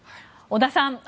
織田さん